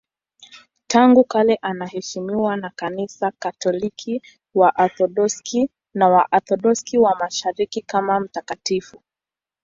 Tangu kale anaheshimiwa na Kanisa Katoliki, Waorthodoksi na Waorthodoksi wa Mashariki kama mtakatifu.